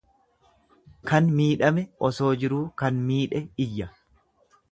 Kan miidhame osoo jiruu kan miidhe iyya.